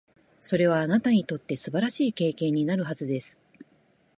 それは、あなたにとって素晴らしい経験になるはずです。